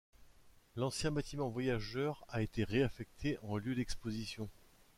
L'ancien bâtiment voyageurs a été réaffecté en lieu d'expositions.